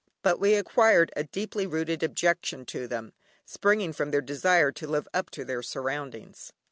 But we acquired a deeply rooted objection to them, springing from their desire to live up to their surroundings.